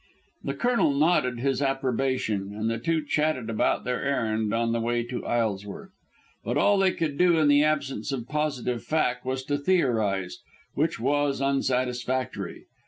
The Colonel nodded his approbation, and the two chatted about their errand on the way to Isleworth. But all they could do in the absence of positive fact was to theorise, which was unsatisfactory.